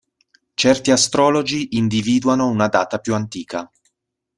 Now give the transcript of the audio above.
Certi astrologi individuano una data più antica.